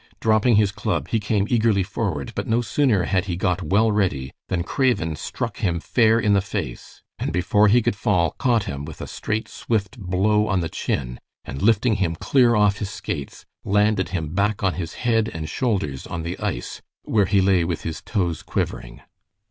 Dropping his club he came eagerly forward, but no sooner had he got well ready than Craven struck him fair in the face, and before he could fall, caught him with a straight, swift blow on the chin, and lifting him clear off his skates, landed him back on his head and shoulders on the ice, where he lay with his toes quivering.